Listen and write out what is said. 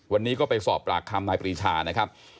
วันนี้ก็ไปสอบปรากคำนายปรีชา